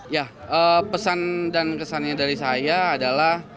ya pesan dan kesannya dari saya adalah